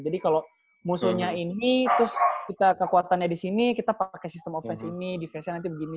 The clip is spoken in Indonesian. jadi kalau musuhnya ini terus kita kekuatannya di sini kita pakai sistem offense ini defense nya nanti begini